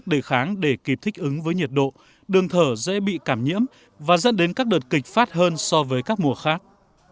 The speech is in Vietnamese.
các bệnh lý hô hốc kháng để kịp thích ứng với nhiệt độ đường thở dễ bị cảm nhiễm và dẫn đến các đợt kịch phát hơn so với các mùa khác